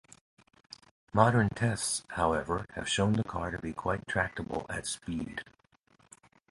Modern tests, however, have shown the car to be quite tractable at speed.